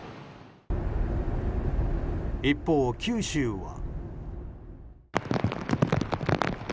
一方、九州は。